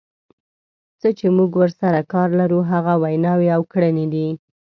څه چې موږ ورسره کار لرو هغه ویناوې او کړنې دي.